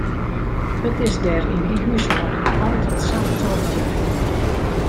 It is dêr yn dy húshâlding altyd sa'n tobberij.